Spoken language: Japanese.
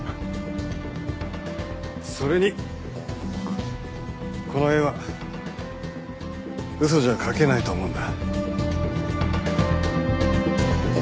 それにこの絵は嘘じゃ描けないと思うんだ。